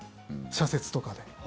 社説とかで。